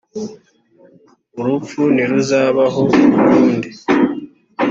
urupfu ntiruzabaho ukundi